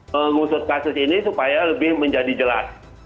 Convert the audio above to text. mengusut kasus ini supaya lebih menjadi jelas